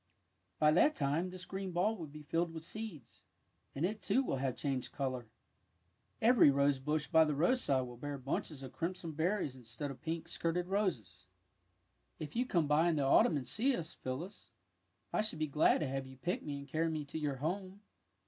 '' By that time this green ball will be filled with seeds, and it too will have changed colour. ^' Every rose bush by the roadside will bear bunches of crimson berries instead of pink 102 THE WILD ROSE skirted roses. If you come by in the autumn and see us, PhyUis, I should be glad to have you pick me and carry me to your home.